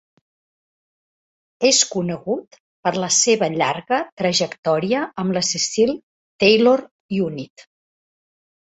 És conegut per la seva llarga trajectòria amb la Cecil Taylor Unit.